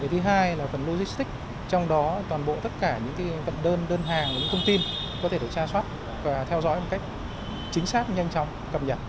thứ hai là phần logistics trong đó toàn bộ tất cả những vật đơn đơn hàng những thông tin có thể được tra soát và theo dõi một cách chính xác nhanh chóng cập nhật